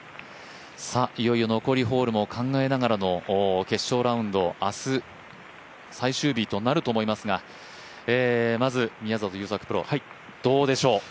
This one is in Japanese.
いよいよ残りホールも考えながらの決勝ラウンド明日、最終日となると思いますがまず宮里優作プロ、どうでしょう？